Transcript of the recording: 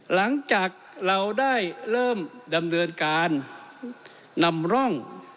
หลังจากเราได้เริ่มดำเนินการนำร่อง